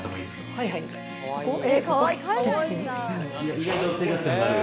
意外と生活感がある。